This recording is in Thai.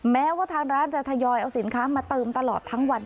แม้ว่าทางร้านจะทยอยเอาสินค้ามาเติมตลอดทั้งวัน